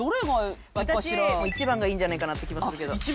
私１番がいいんじゃないかなって気がするけど。